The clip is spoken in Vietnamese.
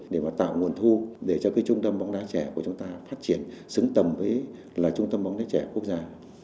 để mà tạo nguồn thu để cho cái trung tâm bóng đá trẻ của chúng ta phát triển xứng tầm với là trung tâm bóng đá trẻ quốc gia